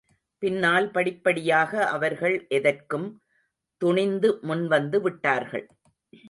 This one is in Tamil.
பின்னால் படிப்படியாக அவர்கள் எதற்கும்.துணிந்து முன்வந்து விட்டார்கள்.